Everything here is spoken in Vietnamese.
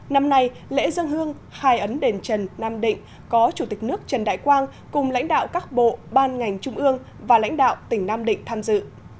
năm nay lễ dân hương hai ấn đền trần nam định có chủ tịch nước trần đại quang cùng lãnh đạo các bộ ban ngành trung ương và lãnh đạo tỉnh nam định tham dự